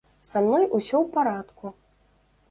Са мной усё ў парадку.